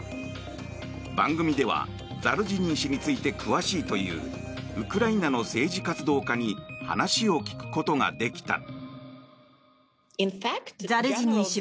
番組ではザルジニー氏について詳しいというウクライナの政治活動家に話を聞くことができた。